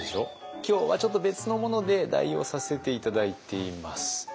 今日はちょっと別のもので代用させて頂いています。